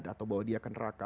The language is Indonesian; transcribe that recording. atau bawa dia ke neraka